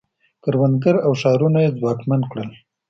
کروندګر او ښارونه یې ځواکمن کړل